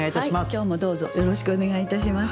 今日もどうぞよろしくお願いいたします。